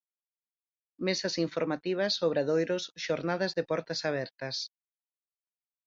Mesas informativas, obradoiros, xornadas de portas abertas.